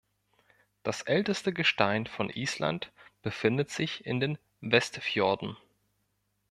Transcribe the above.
Das älteste Gestein von Island befindet sich in den Westfjorden.